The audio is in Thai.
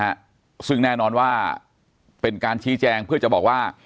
ฮะซึ่งแน่นอนว่าเป็นการชี้แจงเพื่อจะบอกว่า